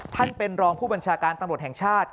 ท่านเป็นรองผู้บัญชาการตำรวจแห่งชาติ